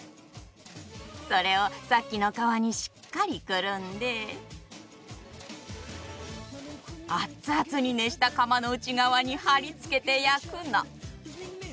それをさっきの皮にしっかりくるんでアッツアツに熱した窯の内側に貼り付けて焼くの。